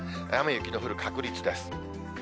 雨や雪の降る確率です。